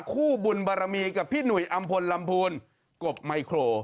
คู่บุญบารมีกับพี่หนุ่ยอำพลลำพูนกบไมโคร